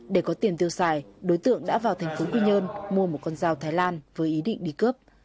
để có tiền tiêu xài đối tượng đã vào thành phố quy nhơn mua một con dao thái lan với ý định đi cướp